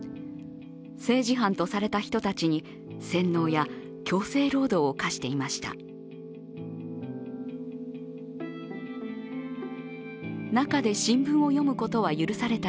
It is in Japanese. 政治犯とされた人たちに、洗脳や強制労働を課していました。